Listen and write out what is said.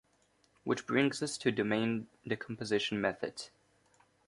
Which brings us to domain decomposition methods.